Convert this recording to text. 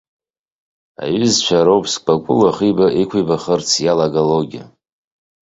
Аиҩызцәа роуп зкәыкәылах ықәибахырц иалагалогьы.